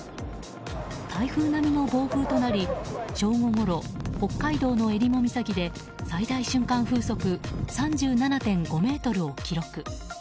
台風並みの暴風となり正午ごろ、北海道のえりも岬で最大瞬間風速３７．５メートルを記録。